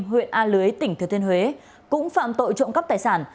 huyện a lưới tỉnh thừa thiên huế cũng phạm tội trộm cắp tài sản